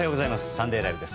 「サンデーＬＩＶＥ！！」です。